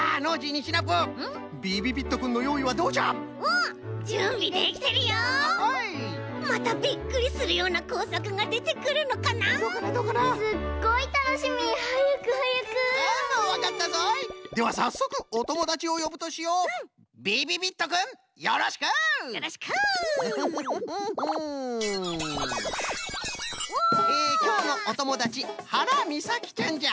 きょうのおともだちはらみさきちゃんじゃ。